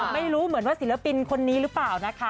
ไม่รู้เหมือนว่าศิลปินคนนี้หรือเปล่านะคะ